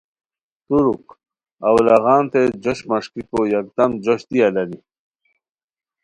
ترک اُولاغانتے جوش مݰکیکو یکدم جوش دی الانی